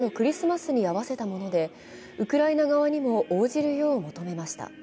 停戦は７日のロシア正教のクリスマスに合わせたものでウクライナ側にも応じるよう求めました。